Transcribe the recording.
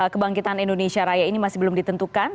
kebangkitan indonesia raya ini masih belum ditentukan